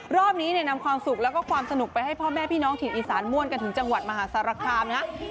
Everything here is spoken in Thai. รอบนี้เนี่ยนำความสุขแล้วก็ความสนุกไปให้พ่อแม่พี่น้องถิ่นอีสานม่วนกันถึงจังหวัดมหาสารคามนะ